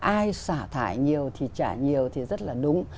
ai xả thải nhiều thì trả nhiều thì rất là đúng